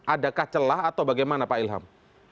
adakah celah atau bagaimana pak ilham